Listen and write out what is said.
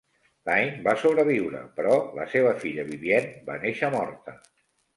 Lynne va sobreviure, però la seva filla, Vivienne, va néixer morta.